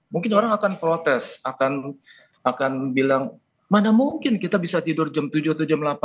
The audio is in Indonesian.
mungkin orang akan protes akan bilang mana mungkin kita bisa tidur jam tujuh atau jam delapan